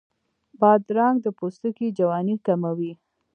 بادرنګ د پوستکي جوانۍ کموي.